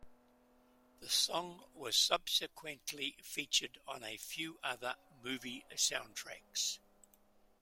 The song was subsequently featured on a few other movie soundtracks.